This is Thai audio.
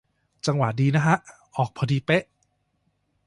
จังหวะดีนะฮะ ออกพอดีเป๊ะ